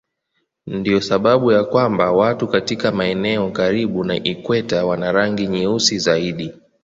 Ndiyo sababu ya kwamba watu katika maeneo karibu na ikweta wana rangi nyeusi zaidi.